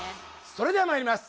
それではまいります。